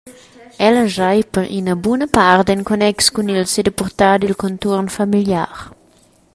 Ella schai per ina buna part en connex cun il sedepurtar dil contuorn familiar.